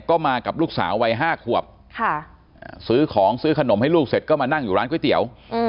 ก็มากับลูกสาววัย๕ขวบซื้อของซื้อขนมให้ลูกเสร็จก็มานั่งอยู่ร้านก๋วยเตี๋ยว